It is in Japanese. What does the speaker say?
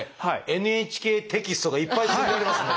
「ＮＨＫテキスト」がいっぱい積んでありますね。